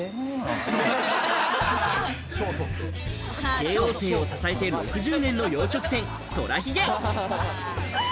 慶應生を支えて６０年の洋食店とらひげ。